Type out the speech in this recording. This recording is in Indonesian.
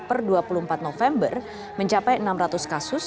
per dua puluh empat november mencapai enam ratus kasus